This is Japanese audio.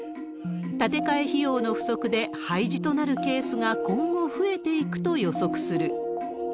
建て替え費用の不足で廃寺となるケースが今後増えていくと予測する。